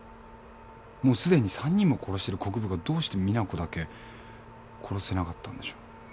もうすでに３人も殺してる国府がどうして実那子だけ殺せなかったんでしょう？